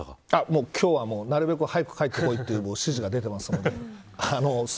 今日はなるべく早く帰ってこいという指示が出ています。